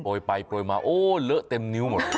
ปล่อยไปปล่อยมาโอ้เหลือเต็มนิ้วหมด